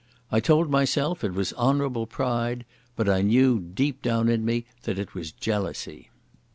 I told myself it was honourable pride, but I knew deep down in me that it was jealousy.